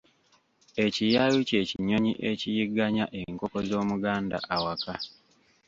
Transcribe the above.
Ekiyaayu ky’ekinyonyi ekiyigganya enkoko z’Omuganda awaka.